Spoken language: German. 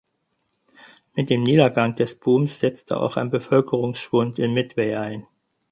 Mit dem Niedergang des Booms setzte auch ein Bevölkerungsschwund in Medway ein.